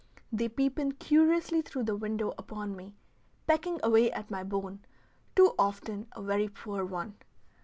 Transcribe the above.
They peep in curiously through the window upon me, pecking away at my bone, too often a very poor one.